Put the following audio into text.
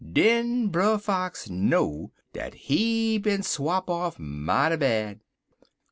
Den Brer Fox know dat he bin swop off mighty bad.